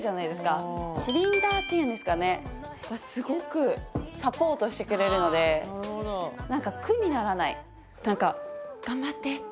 シリンダーっていうんですかね？がすごくサポートしてくれるのでなんか苦にならない。